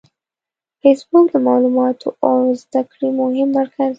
فېسبوک د معلوماتو او زده کړې مهم مرکز دی